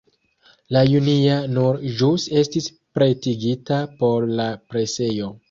La junia nur ĵus estis pretigita por la presejo.